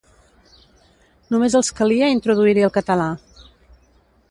Només els calia introduir-hi el català.